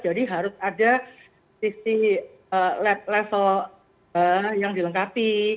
jadi harus ada safety level yang dilengkapi